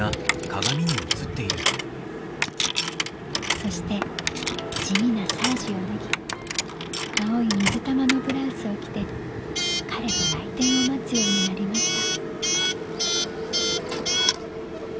「そして地味なサージを脱ぎ青い水玉のブラウスを着て彼の来店を待つようになりました」。